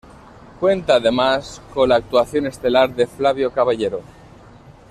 Cuenta además con la actuación estelar de Flavio Caballero.